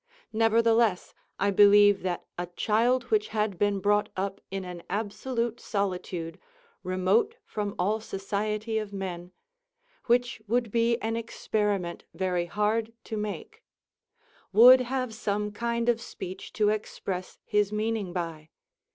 Nevertheless I believe that a child which had been brought up in an absolute solitude, remote from all society of men (which would be an experiment very hard to make), would have some kind of speech to express his meaning by.